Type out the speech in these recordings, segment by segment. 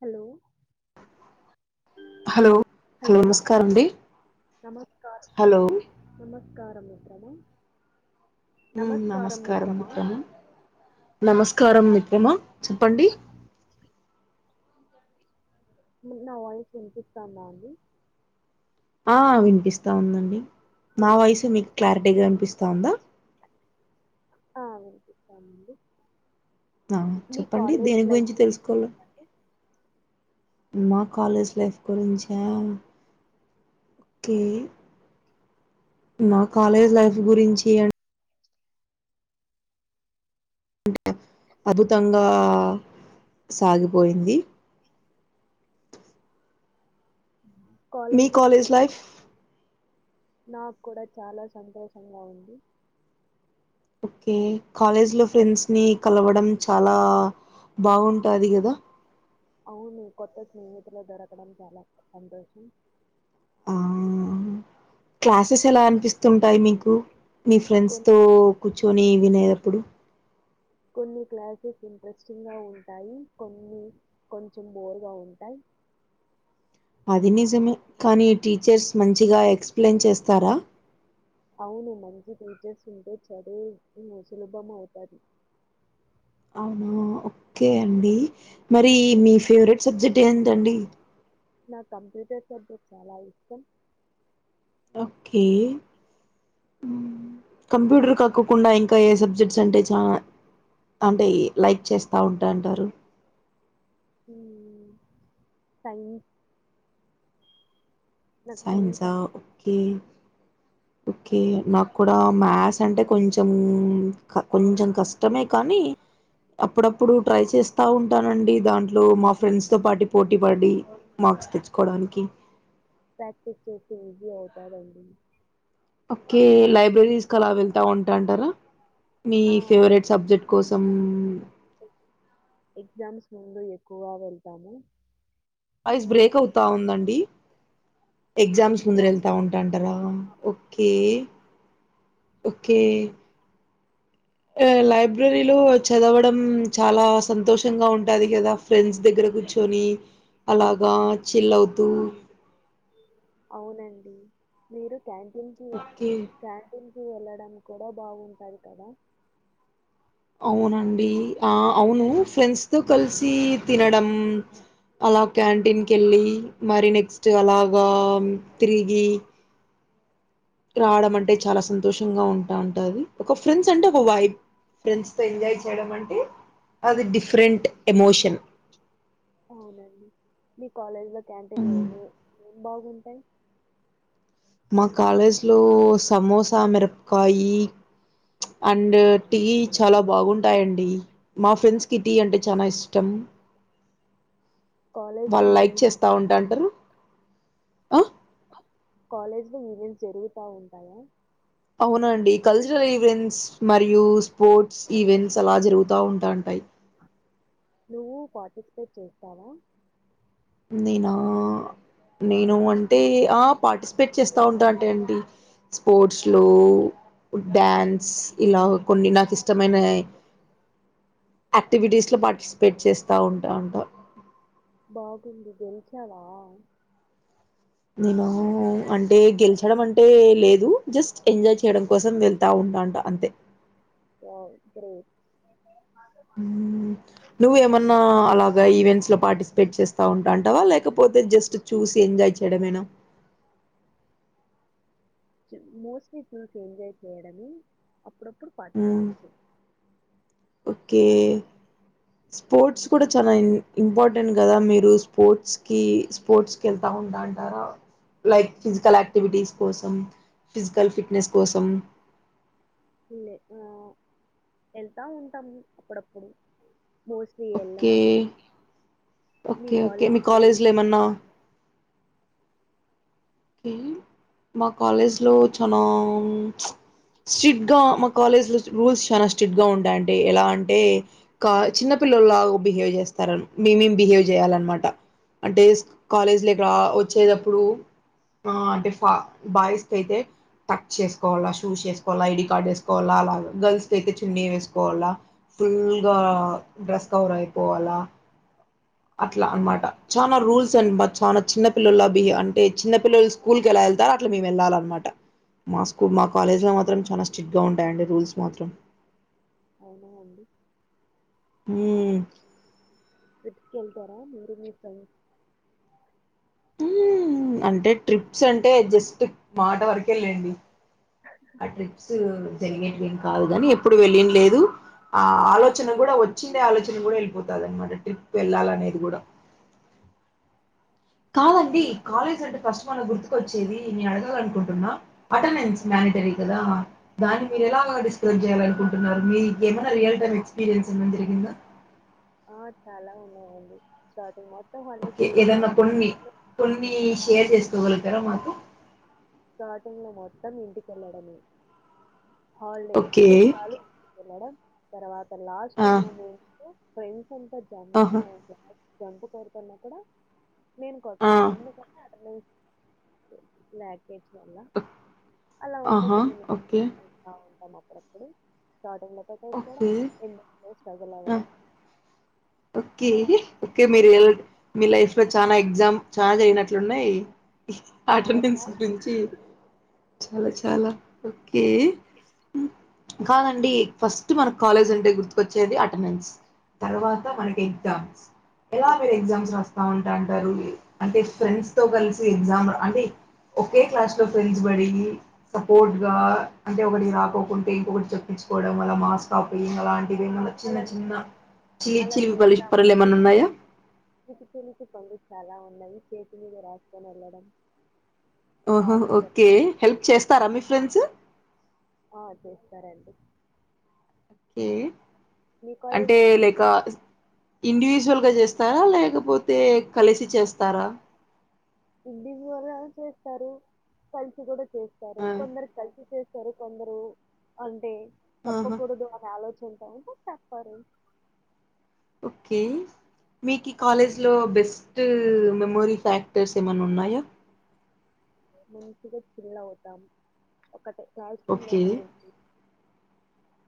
Hello hello hello నమస్కారం అండి నమస్కారం హలో నమస్ కారం మిత్రమా యూ నమస్కారం మిత్రమా నమస్కారం మిత్ ఎ మా చెప్పండి నా వాయిస్ వినిపిస్తా ఉందా అండి ఆ వినిపిస్తా ఉందండి మా హలో వాయిస్ మీకు క్లార్ టేగా వినిపిస్తోందా ఆ వినిపిస్తోందండి ఆ చెప్పండి దేని గురించి తెలుసుకోల నా కాలేజ్ లైఫ్ గురించా ఓకే నా కాలేజ్ లైఫ్ గురించి ఐ అద్భుతంగా సాగిపోయింది మీ లో కాలేజ్ ఫ్రెండ్స్ లైఫ్ నాకు కూడా చాలా సంతోషంగా ఉంది కే కాలేజ్లో ఫ్రెండ్స్ని కలవడం చాలా బాగుంటుంది కదా అవును కొత్త స్నేహితులు దొరకడం చాలా సంతోషం ఆ క్లాసెస్ ఎలా అనిపిస్తుంటాయి మీకు మీ ఫ్రెండ్స్ కొన్ని తో కూర్చొని వినేదేప్పుడు కొన్ని క్లాసెస్ ఇంట్రెస్టింగ్ గా ఉంటాయి కొన్ని కొంచెం బోర్గా ఉంటాయి అది నిజమే కానీ టీచర్స్ మంచిగా ఎక్స్ప్లెయిన్ చేస్తారా అవును మంచి టీచర్స్ ఉంటే చదువు వు సులభం అవుతంది అవునా ఓకే అండి మరి మీ ఫేవరెట్ సబ్జెక్ట్ ఏంటండి నాకు కంప్యూటర్ సబ్జెక్ట్ చాలా ఇష్టం ఓకే కంప్యూటర్ కాకోకుండా ఇంకా ఏ సబ్జెక్ట్స్ అంటే చాలా అంటే లైక్ చేస్తూ ఉంటా అంటారు సైన్స్ నాకు సైన్స్ ఆ అంటే ఓకే ఓకే నాకు కూడా మ్యాథ్స్ అంటే కొంచెం కొంచెం కష్టమే కానీ అప్పుడప్పుడు ట్రై చేస్తా ఉంటానండి దాంట్లో మా ఫ్రెండ్స్ తో పాటు పోటీ పడి మార్క్స్ తెచ్చుకోవడానికి ప్రాక్టిస్ చేస్తే ఈజీ అవుతాదండి ఓకే లైబ్రరీస్ కలా వెళ్తా ఉంటా అంటారా మీ ఆ! ఫేవరెట్ అవునండి. సబ్జెక్ట్ కోసం ఎగ్జామ్స్ ముందు ఎక్కువగా వెళ్తాము వాయిస్ బ్రేక్ అవుతా ఉందండి ఎగ్జామ్స్ ముందర వెళ్తా ఉంటాంటారా ఓకే ఓకే లైబ్రరీలో చదవడం చాలా సంతోషంగా ఉంటుంది కదా ఫ్రెండ్స్ దగ్గర కూర్చొని అలాగా చిల్ అవుతూ అవునండి మీరు క్యాంట్న్కి ఓకే క్యాంటిన్ వెళ్ళడం కూడా బాగుంటుంది కదా అవునండి ఆ అవును ఫ్రెండ్స్తో కలిసి తినడం అలా క్యాంటీన్కి వెళ్ళి మరి నెక్స్ట్ అలాగా తిరిగి రావడం అంటే చాలా సంతోషంగా ఉంటా ఉంటుంది ఒక ఫ్రెండ్స్ అంటే ఒక వైబ్ ఫ్రెండ్స్తో ఎంజాయ్ చేయడం అంటే అది డిఫరెంట్ ఎమోషన్ అవునండి మీ కాలేజీలో క్యాంటీన్లు హ్మ్. ఏమి ఏం బాగుంటాయి మా కాలేజీలో సమోసా మిరపకాయ అండ్ టీ చాలా బాగుంటాయండి మా ఫ్రెండ్స్కి టీ అంటే చాలా ఇష్టం కాలేజ్‌లో వాళ్ళు లైక్ ఈవెంట్స్ చేస్తా జరుగుతాయా? ఉంటాంటారు ఆ కాలేజ్ లో ఈవెంట్స్ జరుగుతా ఉంటాయా అవునండి కల్చరల్ ఈవెంట్స్ మరియు స్పోర్ట్స్ ఈవెంట్స్ అలా జరుగుతా ఉంటాంటాయి నువ్వు పార్టిసిపేట్ చేస్తావా నేనా నేను అంటే పార్టిసిపేట్ చేస్తూ ఉంటా అంటే అడి స్పోర్ట్స్లో డ్యాన్స్ ఇలా కొన్ని నాకు ఇష్టమైన యాక్టివిటీస్లో పార్టిసిపేట్ చేస్తూ ఉంటా ఉంట బాగుంది గలించావా నేను అంటే గెలిచడం అంటే లేదు జస్ట్ ఎంజాయ్ చేయడం కోసం వెళ్తా ఉంటాంట అంతే ఓ గ్రీ నువ్వేమన్నా అలాగ ఈవెంట్స్ లో పార్టిసిపేట్ చేస్తా ఉంటాంటావా లేకపోతే జస్ట్ చూసి ఎంజాయ్ చేయడమేనా మోస్ట్లీ ఇ మస్ ఎంజాయ్ చేయడమ అప్పుడప్పుడు మ్మ్ పార్టీస్పేట్ చెయ్ ఓకే స్పోర్ట్స్ కూడా చాలా ఇంపార్టెంట్ కదా మీరు స్పోర్ట్స్కి స్పోర్ట్స్కి వెళ్తూ ఉంటా అంటారా లైక్ ఫిజికల్ యాక్టివిటీస్ కోసం ఫిజికల్ ఫిట్నెస్ కోసం లే ఆ వెళ్తా ఉంటాము అప్పుడప్పుడు మోస్ట్లీ ఎల్లం ఓకే మీ ఓకే ఓకే కాలేజ్ మీ లో కాలేజ్లో ఏమన్నా ఉమ్ మా కాలేజ్లో చాలా స్ట్రిక్ట్గా మా కాలేజ్లో రూల్స్ చాలా స్ట్రిక్ట్గా ఉంటాయంటే ఎలా అంటే కా చిన్న పిల్లలుగా బిహేవ్ చేస్తారు మేమేం బిహేవ్ చేయాలన్నమాట అంటే కాలేజ్లో ఇక్కడ వచ్చేటప్పుడు ఆ అంటే ఫ బాయ్స్ క అయితే టచ్ చేసుకోవాలా షూస్ చేేసుకోవాలి ఐడి కార్డ్ వేసుకోవాలా అలా గర్ల్స్ క అయితే చున్నీ వేసుకోవాలి ఫుల్ గా డ్రస్ కవర్ అయిపోవాలా అట్లా హుహు. అ చాలా చిన్న పిల్లల బి అంటే చిన్న పిల్లలు స్కూల్కి ఎలా వెళ్తారు అట్లా మేము వెళ్ళాలన్నమాట మా స్కూల్ మా కాలేజ్లో మాత్రం చాలా స్ట్రిక్ట్గా ఉంటాయంండి రూల్స్ మాత్రం అవునా అండి హ కళ్తారా మీరు మీరు స అంటే ట్రిప్స్ అంటే జస్ట్ మాట వరకే లేండి ఆ ట్రిప్స్ జరిగేట్లేని కాదు కాని ఎప్పుడు వెళ్ళిన లేదు ఆ ఆలోచన కూడా వచ్చిండే ఆలోచన కూడా వెళ్ళిపోతుంది అనమాట ట్రిప్ వెళ్ళాలనేది కూడా ని కాదండి నెక్స్ట్ కాలేజ్ అంటే ఫస్ట్ మనకు గుర్తు వచ్చేది నే అడగాలనుకుంటున్నా అటెండెన్స్ మడిటరీ కదా దాన్ని మీరు అవును. ఎలా డిస్క చేయాలనుకుంటున్నారు మీ ఏమన్నా రియల్ టై ఎక్స్పీరియన్స్ ఏమ జరిగిందా ఆ చాలా ఉన్నాయండి స్టార్టింగ్ మత్తం ఓకే ఏదన్నా కొన్ని కొన్ని షేర్ చేసుకోగలుగుగరా మాకు స్టార్టింగ్ లో మొత్తం ఇంటికెళ్లడమే ఓకే హాలిడేస్ చాలు ఉంది మ్యాడం తర్వాత లాస్ట్ ఆ మూమెంట్స్ పో ంత జ ఆహా జంప కోరుతున్నా కూడా నేను ఆ కొట్లేను ఎందుకు నా ల్ అలా ఉంటాయి ఆహా కొన్ని ఓకే నిమిషా ఉంటాం ఒకప్పుడు స్టార్టింగ్ లో ప తీసుకోవడం ఓకే ఎ స్ట్రగుల్ ఆ అవ్వడం ఓకే. అలా ఓకే. మీరు రియల్ మీ లైఫ్ లో చాలనా ఎగ్జామ్ చాలా జరిగినట్లున్నాయి చాలా అటెండెన్స్ చాలా గురించి చాలా చాలా ఓకే కాదండి ఫస్ట్ మనకు కాలేజ్ అంటే గుర్తుకొచ్చేది అటెండెన్స్ తర్వాత మనకి ఎగ్జామ్స్ ఎలా మీరు ఎగ్జామ్స్ రాస్తా ఉంట అరు అంటే ఫ్రెండ్స్ తో కలిసి ఎగ్జామ్ అంటే ఒకే క్లాస్ లో ఫ్రెండ్స్ బడి సపోర్ట్ గా అంటే ఒకటి రాపోకుంటే ఇంకొకటి చెప్పించుకో మాస్ కాపీయింగ్ అలాంటిది మ చిన్న అలా చే- చిన్న చిలీ అలా చిలి ప చేస్తాము పరలు ఏమన్నా ఉన్నాయా అన్నవి చేతి మీద రాసుకొని వెళ్ళడం హ సార్కి ఓకే దొరకకుండా హెల్ప్ చేస్తారా మీ ఫ్రెండ్స్ చేస్తారండి ఒకే మీ అంటే కాలేజ్లో అండి లైక్ ఇండివిజుల్ విల్ చేస్తారా లేకపోతే కలిసి చేస్తారా ఇండివుడల్ గా చేస్తారు కలిసి కూడా చేస్తారు ఆ! కొందరు కలిసి చేస్త సరే కొందరు అంటె ఆహా! చెప్పకూడదు అనే ఆలోచన ఉంటే ఉంటాయి తప్పదు ఓకే మీకు కాలేజ్లో బెస్ట్ మెమోరీ ఫ్యాక్టర్స్ ఏమైనా ఉన్నాయా మంచిగా చిల్ అవుతాం అప్ ఒకట క్లాస్రూమ్ ఓకే. లని ఉంటుది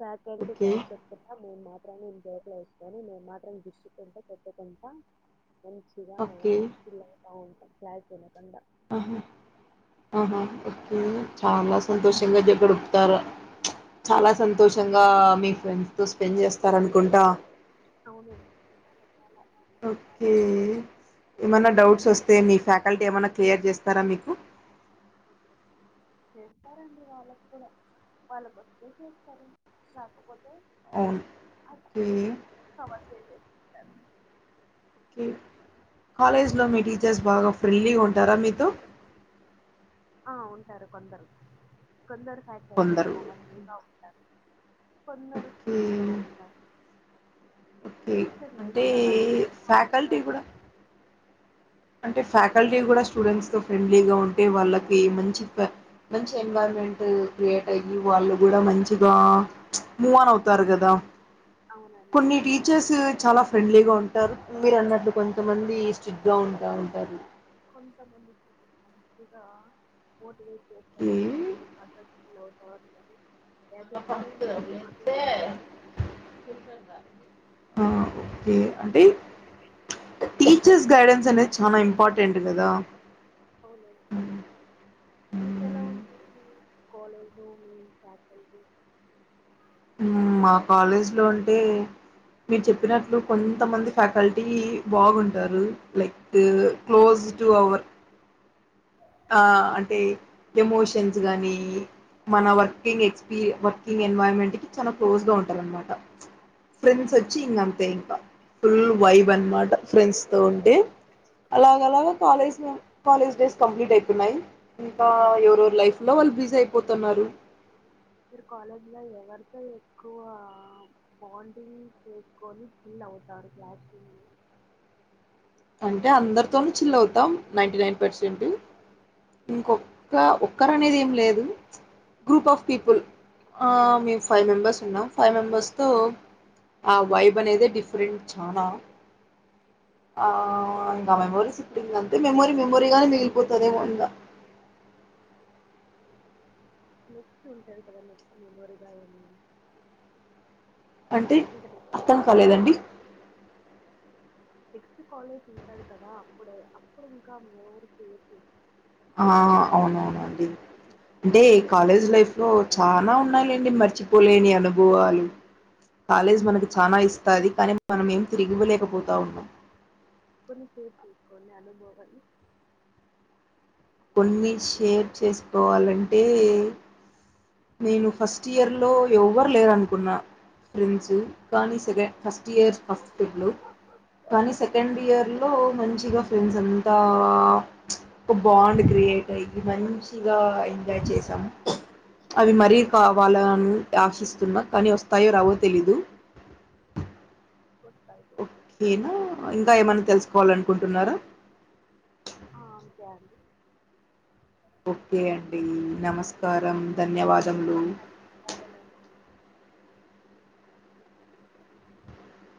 ఫ్యాకల్టీ ఓకే. క్లాస్ చెప్పిస్తాము మేము మాత్రమే జోకులు వేసుకొని మేము మాత్రమే గిచ్చుకుంటా కొట్టుకొంటా మంచిగా ఓకే. పిల్ల కాగు క్లాస్ వినకుండా ఆహా ఆహా ఓకే చాలా సంతోషంగా గడుపుతారు చాలా సంతోషంగా మీ ఫ్రెండ్స్ తో స్పెండ్ చేస్తారు అనుకుంటా అవునండి చాలా ఓకే ఏమన్నా మీరు ఎలా డౌట్స్ వస్తే మీ ఫ్యాకల్టీ ఏమన్నా క్లేయర్ చేస్తారా మీకు చేస్తారండి వాళ్ళకు కూడా వాళ్ళకు వస్తే చేస్తారండి లేకపోతే అవును మ్మ్ కవర్ చేసేసి కాలేజ్లో మీ టీచర్స్ బాగా ఫ్రెండ్లీ గా ఉంటారా మీతో ఆ ఉంటారు కొందరు కొందరు ఫ్యాకల్టీ కొందరు చాలా ఫ్రీగా ఉంటారు కొందరు ఓకే స్ట్రిక్ట్ గా ఉంటారు ఓకే టీచర్ అంటే నేచర్ అలాంటిది ఫ్యాకల్టీ కొన్నిసార్లు కూడా అంటే ఫ్యాకల్టీ కూడా స్టూడెంట్స్ తో ఫ్రెండ్లీగా ఉంటే వాళ్ళకి మంచి మంచి ఎన్వైరాన్మెంట్ క్రియేట్ అయ్యి వాళ్ళు కూడా మంచి ఇగా మూవాన్ తరగదా అవునండి కొన్ని చాలా టీచర్స్ చాలా ఫ్రెండ్లీగా ఉంటారు మీరు న్నట్లు కొంతమంది స్టిట్గా ఉన్ కొ కొంతమంది ఇంకా ఓట్ వే కొన్ని సార్లు ఓకే మంచిది పద్ధతి లో [unintelligible] ఆహ్ పదతేందా [unintelligible] హా ఓకే అంటే టీచర్స్ గైడెన్స్ అనేది చాలా ఇంపార్టెంట్ కదా అవునండి మీకెలా ఉంటాయి కాలేజు మీ ఫ్యాకల్టీ హమ్ మా కాలేజ్ లో అంటే మీరు చెప్పినట్లు కొంతమంది ఫ్యాకల్టీ బాగుంటారు లైక్ క్లోజ్ టు అవర్ ఆహ్ అంటే ఎమోషన్స్ గానీ మన వర్కింగ్ ఎక్స్పీరి వర్కింగ్ ఎన్వర్న్మెంట్ కి చాలా క్లోజ్ గా ఉంటారు అనమాట ఫ్రెండ్స్ వచ్చి ఇంకా అంతే ఇంకా ఫుల్ వైబ్ అనమాట ఫ్రెండ్స్ తో ఉంటే అలాగలాగా కాలేజ్ కాలేజ్ డేస్ కంప్లీట్ అయిపినై కా ఎవరెవరు మీరు లైఫ్ లో వాళ్ళు కాలేజ్ బిజీ అయిపోతున్నారు అంటే ఎక్కువ బాండింగ్ చేసుకొని ఫీల్ అవుతారు క్లాస్రూమ్ లో అంటే అందరితోను చిల్ అవుతాం నైంటీనైన్ పర్సెంట్ ఇంకొక్క ఒక్కరు అనేది ఏం లేదు గ్రూప్ ఆఫ్ పీపుల్ ఆహ్ మేము ఫైవ్ మెంబెర్స్ ఉన్నాం ఫైవ్ మెంబెర్స్తో ఆ వైబ్ అనేదీ డిఫరెంట్ చాలా ఆహ్ ఇంకా మెమోరీస్ ఉంటుంది అంతే మెమోరీ మెమోరీ గానే మిగిలిపోతాదేమోఇంకా నెక్స్ట్ ఉంటాది కదా నెక్స్ట్ మెమొరీగా ఏమేమిఅని అంటే అర్థం కాలేదండి నెక్స్ట్ కాలేజ్ ఉంటది కదా అప్పుడే అప్పుడు ఇంకా మోర్ క్రియేట్ చే ఆ అవును అవును అండి అంటే కాలేజ్ లైఫ్ లో చానా ఉన్నాయిలేండి మర్చిపోలేని అనుభవాలు కాలేజ్ మనకి చానా ఇస్తది చేసుకొని కానీ మనం ఏం తిరిగీవ్వలేకపోతావున్నాం కొన్ని షేర్ చేసుకోండి అనుభవాన్ని కొన్ని షేర్ చేసుకోవాలంటే నేను ఫస్ట్ ఇయర్లో ఎవ్వరులేరనుకున్నా ఫ్రెండ్స్ కానీ సె ఫస్ట్ఇయర్ ఫస్ట్ ఫేబ్లో కానీ సెకండ్ ఇయర్లో మంచిగా ఫ్రెండ్స్ అంతా ఒక బాండ్ క్రియేట్అయ్యి మంచిగా ఎంజాయ్ చేశామ్ అవి మరీ కావాలని ఆశిస్తున్నా కానీ వస్తాయో రావో తెలీదు వస్ ఓకేనా ఇంకా ఏమన్నా తెలుసుకోవాలనుకుంటున్నారా ఆ అంతే అండి ఓకే అండి నమస్కారం ధన్యవాదములు అదే [unintelligible]